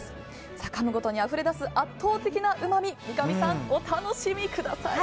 かむごとにあふれ出す圧倒的なうまみ三上さん、お楽しみください。